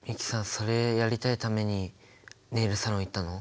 それやりたいためにネイルサロン行ったの？